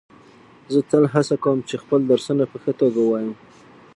زه تل هڅه کوم چي خپل درسونه په ښه توګه ووایم.